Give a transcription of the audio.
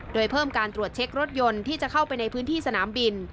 โดยเพิ่มการตรวจเช็ครถยนต์ที่จะเข้าไปในพื้นที่สนามบิน